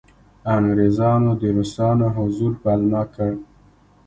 انګریزانو د روسانو حضور پلمه کړ.